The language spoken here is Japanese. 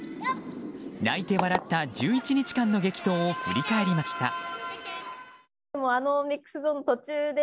泣いて笑った１１日間の激闘を振り返りました。